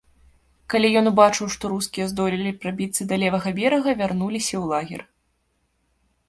Калі ён убачыў, што рускія здолелі прабіцца да левага берага, вярнуліся ў лагер.